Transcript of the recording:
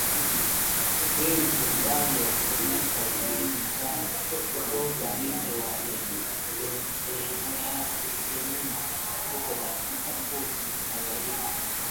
Krink umbali wa kilomita sabini na tano kutoka mji wa El Geneina huko Darfur Magharibi